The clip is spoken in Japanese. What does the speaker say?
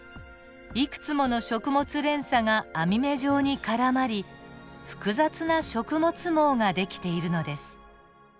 いくつもの食物連鎖が網目状に絡まり複雑な食物網が出来ているのです。